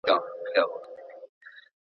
وایم ګوندي چي پناه سم ..